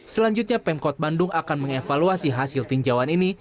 selanjutnya pemkot bandung akan mengevaluasi hasil tinjauan ini